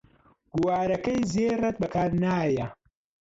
گوارەکەی زێڕت بەکار نایە